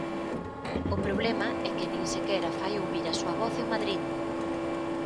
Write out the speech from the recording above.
O problema é que nin sequera fai ouvir a súa voz en Madrid.